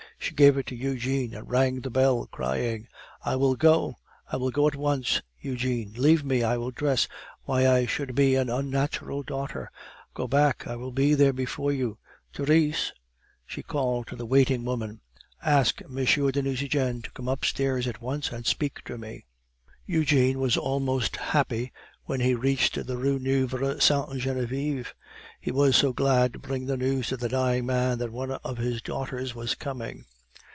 She gave it to Eugene, and rang the bell, crying: "I will go, I will go at once, Eugene. Leave me, I will dress. Why, I should be an unnatural daughter! Go back; I will be there before you. Therese," she called to the waiting woman, "ask M. de Nucingen to come upstairs at once and speak to me." Eugene was almost happy when he reached the Rue Nueve Sainte Genevieve; he was so glad to bring the news to the dying man that one of his daughters was coming.